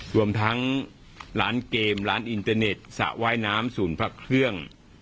รวมทั้งร้านเกมร้านอินเตอร์เน็ตสระว่ายน้ำศูนย์พระเครื่อง